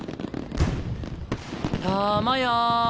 たまや。